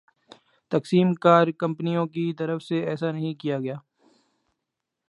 تقسیم کار کمپنیوں کی طرف سے ایسا نہیں کیا گیا